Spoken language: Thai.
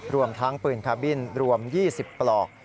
รวมทั้งปืนคาบินรวม๒๐ปลอก